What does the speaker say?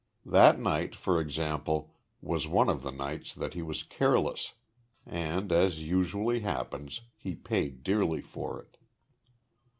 That night, for example, was one of the nights that he was careless and, as usually happens, he paid dearly for it.